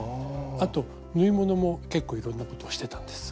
あと縫い物も結構いろんなことをしてたんです。